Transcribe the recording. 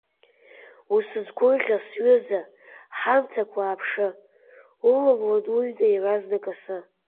Усыцгәырӷьа, сҩыза, ҳамҭак уааԥшы, уламлан уҩны еразнак асы.